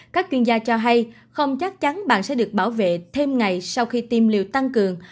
các chuyên gia cho hay không chắc chắn bạn sẽ được bảo vệ thêm ngày sau khi tiêm liều tăng cường